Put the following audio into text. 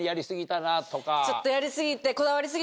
ちょっとやり過ぎて。